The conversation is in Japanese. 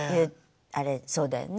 あれそうだよね。